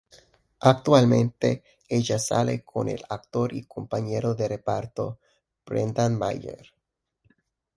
Actualmente ella sale con el actor y compañero de reparto Brendan Meyer.